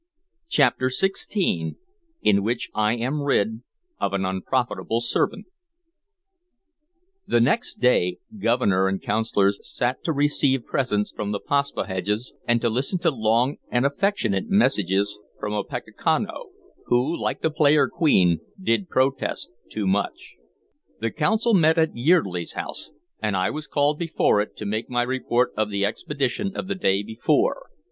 CHAPTER XVI IN WHICH I AM RID OF AN UNPROFITABLE SERVANT THE next day, Governor and Councilors sat to receive presents from the Paspaheghs and to listen to long and affectionate messages from Opechancanough, who, like the player queen, did protest too much. The Council met at Yeardley's house, and I was called before it to make my report of the expedition of the day before.